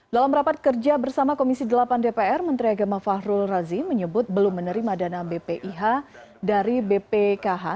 dalam rapat kerja bersama komisi delapan dpr menteri agama fahrul razi menyebut belum menerima dana bpih dari bpkh